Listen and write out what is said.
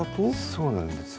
そうなんです。